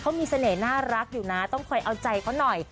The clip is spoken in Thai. เขามีเสน่ห์น่ารักอยู่นะต้องคอยเอาใจเขาหน่อย